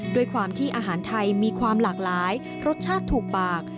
ด้วยความที่อาหารไทยมีความหลากหลายรสชาติถูกปาก